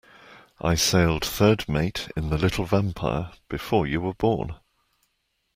I sailed third mate in the little Vampire before you were born.